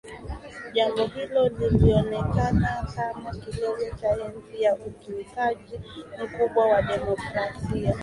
Jambo hilo lilionekana kama kilele cha enzi ya ukiukaji mkubwa wa demokrasia